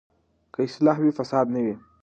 که اصلاح وي، فساد نه وي.